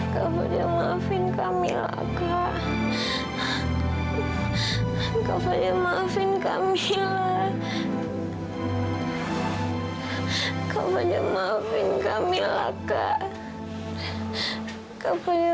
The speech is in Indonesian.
sampai jumpa di video selanjutnya